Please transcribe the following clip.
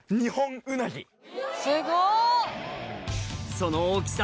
その大きさ